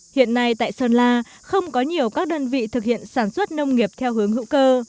hiện nay tại sơn la không có nhiều các đơn vị thực hiện sản xuất nông nghiệp theo hướng hữu cơ